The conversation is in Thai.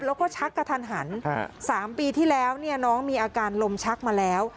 แล้วก็ชักกระทันหัน๓ปีที่แล้วเนี่ยน้องมีอาการลมชักมาแล้ว